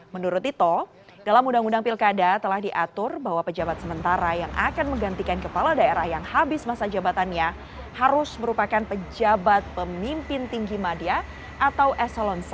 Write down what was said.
menurut tito dalam undang undang pilkada telah diatur bahwa pejabat sementara yang akan menggantikan kepala daerah yang habis masa jabatannya harus merupakan pejabat pemimpin tinggi media atau eselon satu